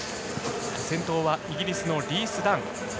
先頭はイギリスのリース・ダン。